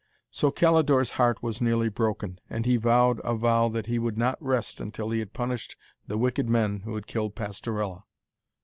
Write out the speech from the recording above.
So Calidore's heart was nearly broken, and he vowed a vow that he would not rest until he had punished the wicked men who had killed Pastorella.